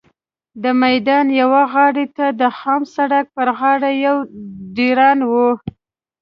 د میدان یوې غاړې ته د خام سړک پر غاړه یو ډېران و.